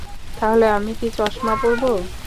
তাহলে আমি কি চশমা পরবো?